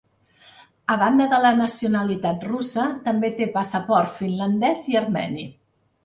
A banda de la nacionalitat russa, també té passaport finlandès i armeni.